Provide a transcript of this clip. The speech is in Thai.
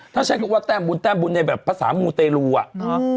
ถ้าใช้คำว่าแต้มบุญแต้มบุญในแบบภาษามูเตรลูอ่ะ